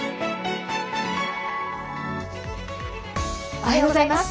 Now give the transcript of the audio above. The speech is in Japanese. おはようございます。